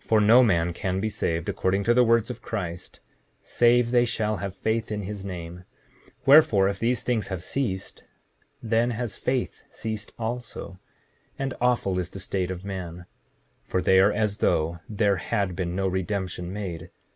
7:38 For no man can be saved, according to the words of Christ, save they shall have faith in his name; wherefore, if these things have ceased, then has faith ceased also; and awful is the state of man, for they are as though there had been no redemption made.